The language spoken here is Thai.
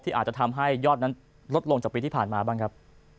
อาจจะทำให้ยอดนั้นลดลงจากปีที่ผ่านมาบ้างครับ